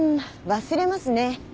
忘れますね。